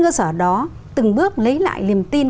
cơ sở đó từng bước lấy lại liềm tin